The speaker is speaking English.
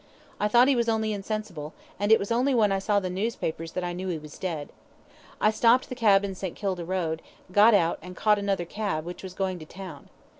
I thought he was only insensible, and it was only when I saw the newspapers that I knew he was dead. I stopped the cab in St. Kilda Road, got out and caught another cab, which was going to town.